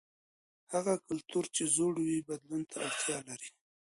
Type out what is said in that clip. هغه کلتور چې زوړ وي بدلون ته اړتیا لري.